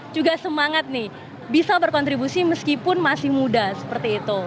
juga semangat nih bisa berkontribusi meskipun masih muda seperti itu